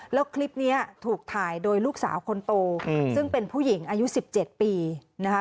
แล้วคลิปนี้ถูกถ่ายโดยลูกสาวคนโตซึ่งเป็นผู้หญิงอายุ๑๗ปีนะคะ